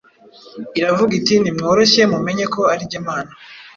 Iravuga iti: Nimworoshye mumenye ko ari jye Mana